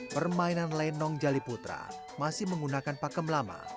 permainan lenong jaliputra masih menggunakan pakem lama